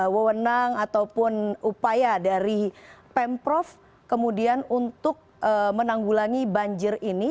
wewenang ataupun upaya dari pemprov kemudian untuk menanggulangi banjir ini